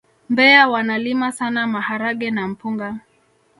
mbeya wanalima sana maharage na mpunga